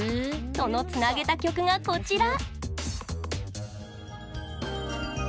そのつなげた曲が、こちら。